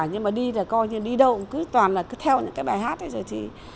nhưng mà đi là coi như đi đâu cũng cứ toàn là cứ theo những cái bài hát đấy rồi